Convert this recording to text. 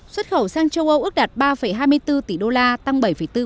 xuất khẩu sang châu âu ước đạt ba hai mươi bốn tỷ đô la tăng bảy bốn